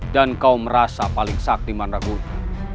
dan kau merasa paling saktiman raguna